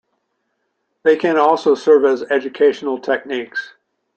They can also serve as educational techniques.